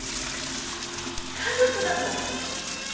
家族だもん